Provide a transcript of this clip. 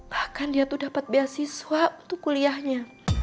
bahkan dia tuh dapat beasiswa untuk kuliahnya